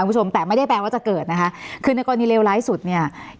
คุณผู้ชมแต่ไม่ได้แปลว่าจะเกิดนะคะคือในกรณีเลวร้ายสุดเนี่ย